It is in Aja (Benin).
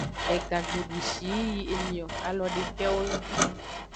Ega gbe dushi yi yi emio, alo dekewo yo.